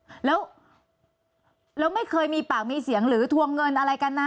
แล้วแล้วไม่เคยมีปากมีเสียงหรือทวงเงินอะไรกันนะ